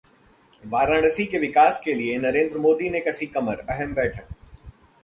वाराणसी के विकास के लिए नरेंद्र मोदी ने कसी कमर, अहम बैठक